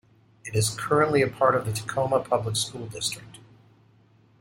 It is currently a part of the Tacoma Public School District.